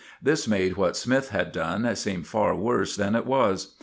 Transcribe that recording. This made what Smythe had done seem far worse than it was.